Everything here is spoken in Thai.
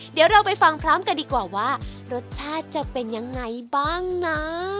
เดี๋ยวเราไปฟังพร้อมกันดีกว่าว่ารสชาติจะเป็นยังไงบ้างนะ